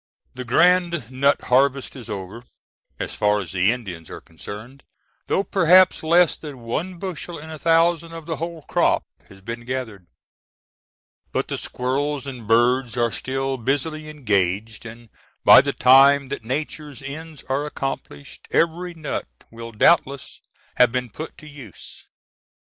The grand nut harvest is over, as far as the Indians are concerned, though perhaps less than one bushel in a thousand of the whole crop has been gathered. But the squirrels and birds are still busily engaged, and by the time that Nature's ends are accomplished, every nut will doubtless have been put to use.